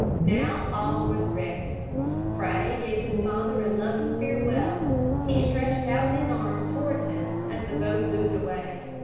Now, all was ready. Friday gave his father a loving farewell. He stretched out his arms towards him as the boat moved away.